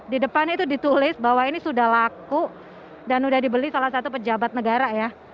di depan itu ditulis bahwa ini sudah laku dan sudah dibeli salah satu pejabat negara ya